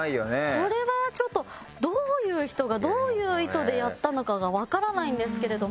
これはちょっとどういう人がどういう意図でやったのかがわからないんですけれども。